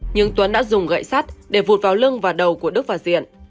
nhưng tuấn đã dùng gậy sắt để vụt vào lưng và đầu của đức và diện